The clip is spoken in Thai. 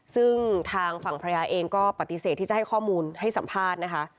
ซึ่งทางฝั่งภรรยาเองก็ปฏิเสธที่จะให้ข้อมูลให้สัมภาษณ์นะคะ